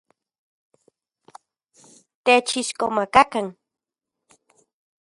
Techixkomakakan.